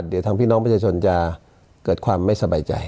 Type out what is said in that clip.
เดี๋ยวทางพี่น้องประชาชนจะเกิดความไม่สบายใจ